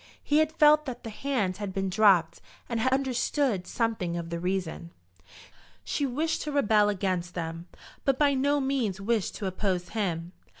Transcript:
He had felt that the hand had been dropped, and had understood something of the reason. She wished to rebel against them, but by no means wished to oppose him.